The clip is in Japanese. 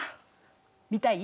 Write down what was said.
見たい？